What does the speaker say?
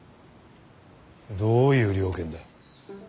どういう了見だ。